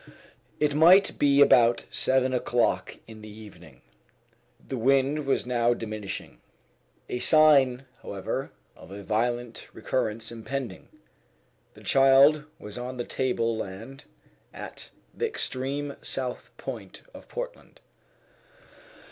It might be about seven o'clock in the evening. The wind was now diminishing a sign, however, of a violent recurrence impending. The child was on the table land at the extreme south point of Portland.